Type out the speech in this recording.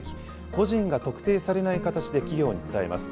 個人が特定されない形で企業に伝えます。